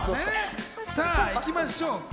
さぁ行きましょう。